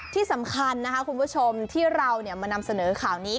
ที่สำคัญนะคะคุณผู้ชมที่เรามานำเสนอข่าวนี้